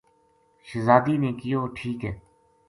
شہزادی نے کہیو ٹھیک ہے "